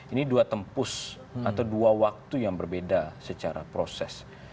ini dua tempus atau dua waktu yang berbeda secara proses